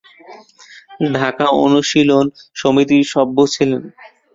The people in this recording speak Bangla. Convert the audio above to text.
ঢাকা অনুশীলন সমিতির সভ্য ছিলেন।